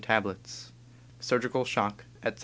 tablets — surgical shock, etc.